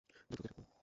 দ্রুত কেটে পড়ুন!